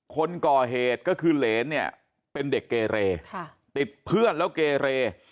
คนก่อเหตุก็คือเหรนเนี่ยเป็นเด็กเกเรติดเพื่อนแล้วเกเร